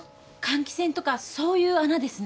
換気扇とかそういう穴ですね？